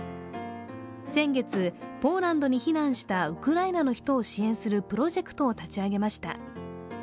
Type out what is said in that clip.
先月、ポーランドに避難したウクライナの人を支援するプロジェクトを立ち上げました。